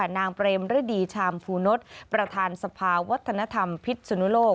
นางเปรมฤดีชามฟูนศประธานสภาวัฒนธรรมพิษสุนุโลก